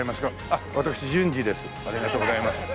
ありがとうございます。